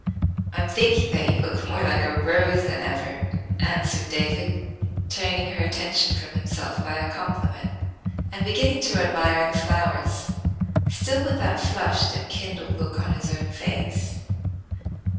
"I am thinking that you look more like a rose than ever," answered David turning her attention from himself by a compliment, and beginning to admire the flowers, still with that flushed and kindled look on his own face.